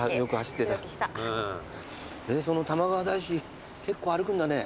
その玉川大師結構歩くんだね。